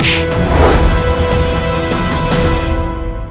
sekiranya kau menjawab